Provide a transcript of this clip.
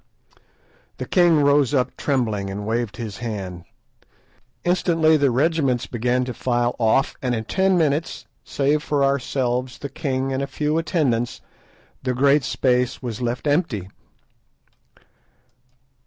The king rose up trembling, and waved his hand. Instantly the regiments began to file off, and in ten minutes, save for ourselves, the king, and a few attendants, the great space was left empty.